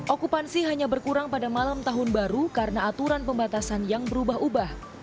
okupansi hanya berkurang pada malam tahun baru karena aturan pembatasan yang berubah ubah